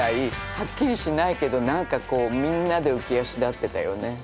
はっきりしないけど何かこうみんなで浮き足だってたよね。